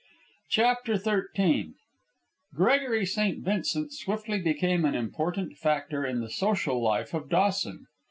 CHAPTER XIII Gregory St. Vincent swiftly became an important factor in the social life of Dawson.